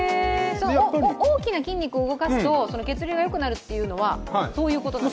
大きな筋肉を動かすと血流がよくなるというのは、そういうことなんですか？